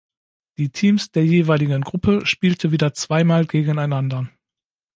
Die Teams der jeweiligen Gruppe spielte wieder zweimal gegeneinander.